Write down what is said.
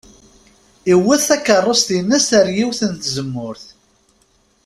Iwet takeṛṛust-ines ar yiwet n tzemmurt.